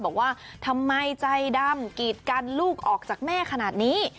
บอกว่าทำไมใจดำกีดกันลูกออกจากแม่ขนาดนี้